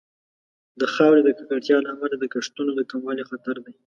د خاورې د ککړتیا له امله د کښتونو د کموالي خطر دی.